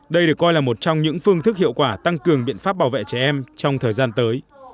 đây được coi là một trong những phương thức hiệu quả tăng cường biện pháp bảo vệ trẻ em trong thời gian tới